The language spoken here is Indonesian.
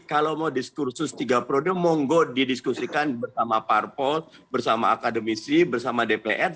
kalau mau diskursus tiga periode monggo didiskusikan bersama parpol bersama akademisi bersama dpr